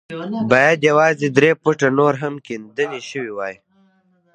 بايد يوازې درې فوټه نور هم کيندنې شوې وای.